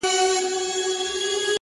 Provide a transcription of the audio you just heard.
لکه اسمان چي له ملیاره سره لوبي کوي-